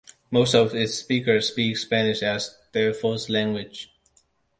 Most of its speakers speak Spanish as their first language.